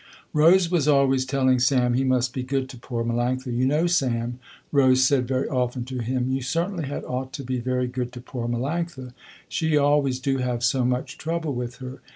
Rose was always telling Sam he must be good to poor Melanctha. "You know Sam," Rose said very often to him, "You certainly had ought to be very good to poor Melanctha, she always do have so much trouble with her.